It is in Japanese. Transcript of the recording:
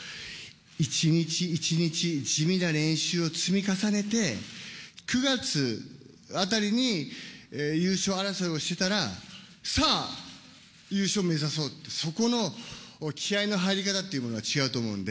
一日一日、地味な練習を積み重ねて、９月あたりに優勝争いをしてたら、さあ、優勝目指そうって、そこの気合いの入り方っていうものが違うと思うんで。